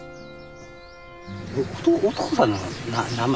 お父さんの名前？